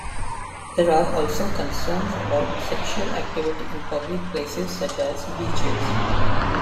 There are also concerns about sexual activity in public places such as beaches.